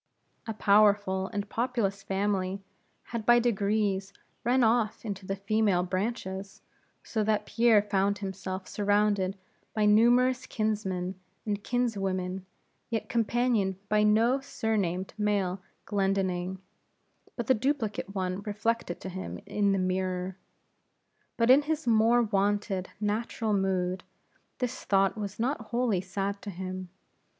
A powerful and populous family had by degrees run off into the female branches; so that Pierre found himself surrounded by numerous kinsmen and kinswomen, yet companioned by no surnamed male Glendinning, but the duplicate one reflected to him in the mirror. But in his more wonted natural mood, this thought was not wholly sad to him.